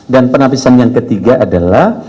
dan penapisan yang ketiga adalah